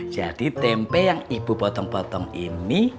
jadi tempe yang ibu potong potong ini